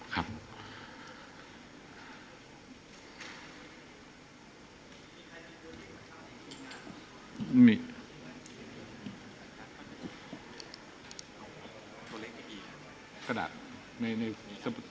กระดาษโน้ตขึ้นมานะครับ